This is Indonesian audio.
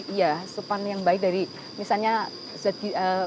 iya asupan yang baik dari misalnya zat